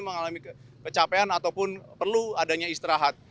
mengalami kecapean ataupun perlu adanya istirahat